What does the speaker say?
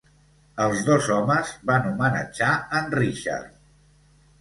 Els dos homes van homenatjar en Richard.